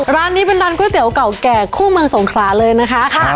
ร้านนี้เป็นร้านก๋วยเตี๋ยวเก่าแก่คู่เมืองสงขลาเลยนะคะ